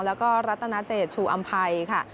แล้วก็รัตนาเจชูอำภัยค่ะ